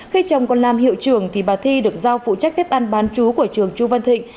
khi chồng còn làm hiệu trưởng thì bà thi được giao phụ trách bếp ăn bán chú của trường chu văn thịnh